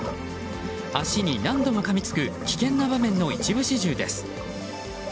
足に何度もかみつく危険な場面の一部始終です。